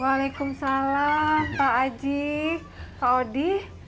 waalaikumsalam pak aji pak odi